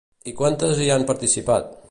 I quantes hi han participat?